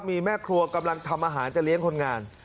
มีแม่ครัวกำลังทำอาหารจะเลี้ยงคนงาน